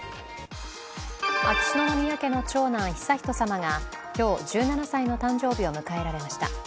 秋篠宮家の長男・悠仁さまが今日、１７歳の誕生日を迎えられました。